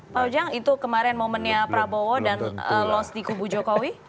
pak ujang itu kemarin momennya prabowo dan loss di kubu jokowi